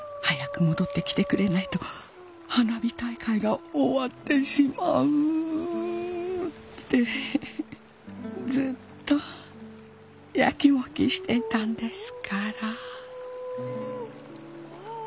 早く戻ってきてくれないと花火大会が終わってしまうってずっとやきもきしてたんですから。